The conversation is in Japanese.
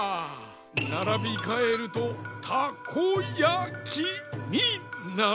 ならびかえると「たこやき」になる。